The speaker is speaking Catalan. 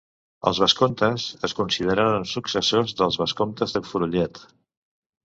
Els vescomtes es consideraren successors dels vescomtes de Fenollet.